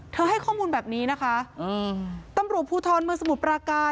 ให้ข้อมูลแบบนี้นะคะอืมตำรวจภูทรเมืองสมุทรปราการ